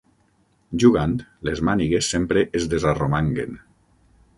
Jugant, les mànigues sempre es desarromanguen.